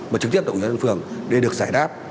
và trực tiếp đồng ý với an phường để được giải đáp